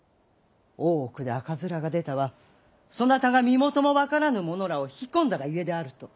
大奥で赤面が出たはそなたが身元も分からぬ者らを引き込んだがゆえであると！